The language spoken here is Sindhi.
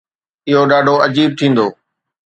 اهو ڏاڍو عجيب ٿيندو.